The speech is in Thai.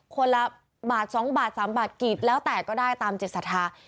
คนละบาท๒บาท๓บาทกี่แล้วแต่ก็ได้ตามจิตศรัทธา